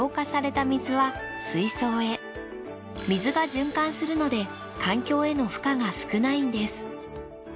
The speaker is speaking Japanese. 水が循環するので環境への負荷が少ないんです。